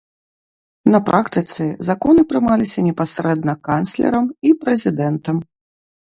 На практыцы законы прымаліся непасрэдна канцлерам і прэзідэнтам.